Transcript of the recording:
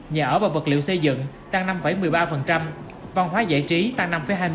nhà ở và vật liệu xây dựng tăng năm một mươi ba văn hóa giải trí tăng năm hai mươi sáu